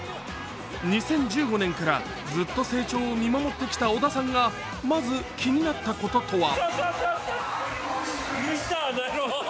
２０１５年からずっと成長を見守ってきた織田さんがまず、気になったこととは？